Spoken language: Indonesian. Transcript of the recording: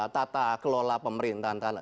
tata kelola pemerintahan